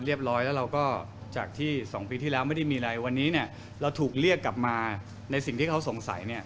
ร้อยแล้วเราก็จากที่๒ปีที่แล้วไม่ได้มีอะไรวันนี้เราถูกเรียกกลับมาในสิ่งที่เขาสงสัยเนี่ย